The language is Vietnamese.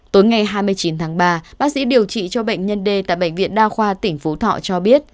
tối ngày hai mươi chín tháng ba bác sĩ điều trị cho bệnh nhân d tại bệnh viện đa khoa tỉnh phú thọ cho biết